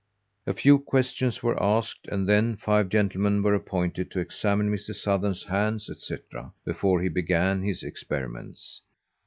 A few questions were asked, and then five gentlemen were appointed to examine Mr. Sothern's hands, etc., before he began his experiments.